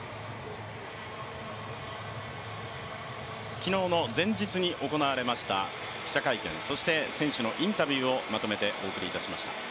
昨日の前日に行われました記者会見、そして選手のインタビューをまとめてご覧いただきました。